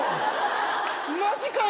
マジかよ